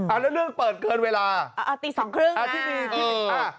แล้วเรื่องเปิดเกินเวลาอ่าตีสองครึ่งอ่าที่มีทีอ่า